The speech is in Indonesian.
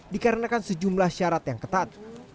dikarenakan sejumlah syarat yang ketat